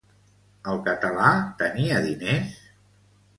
El català tenia diners?